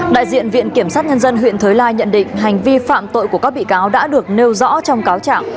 đại diện viện kiểm sát nhân dân huyện thới lai nhận định hành vi phạm tội của các bị cáo đã được nêu rõ trong cáo trạng